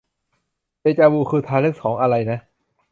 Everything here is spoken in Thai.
เดจาวู คือทาเลนท์ของ อะไรนะ